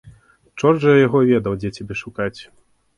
Чорт жа яго ведаў, дзе цябе шукаць.